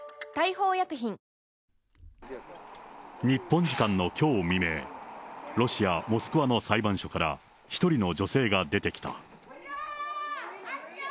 日本時間のきょう未明、ロシア・モスクワの裁判所から、一人の女性が出てきた。